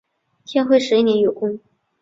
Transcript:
天会十一年有功。